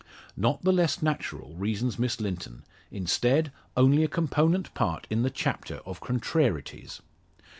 Not the less natural, reasons Miss Linton instead, only a component part in the chapter of contrarieties.